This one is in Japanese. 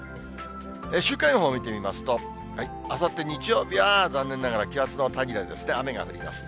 週間予報見てみますと、あさって日曜日は残念ながら気圧の谷で雨が降ります。